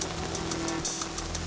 aku belum bernak kak